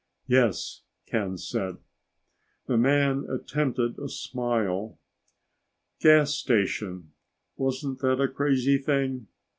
"Yes," Ken said. The man attempted a smile. "Gas station. Wasn't that a crazy thing?